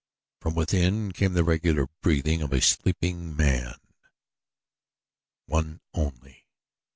From within came the regular breathing of a sleeping man one only.